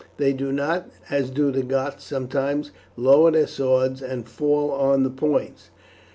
They do not, as do the Goths sometimes, lower their swords and fall on the points.